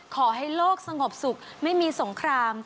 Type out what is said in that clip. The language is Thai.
ขอให้โลกสงบสุขไม่มีสงคราม